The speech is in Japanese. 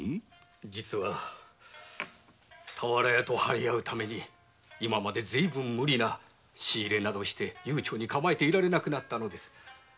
実は田原屋と張り合うためかなり無理な仕入れなどをして悠長に構えてはいられなくなったのです。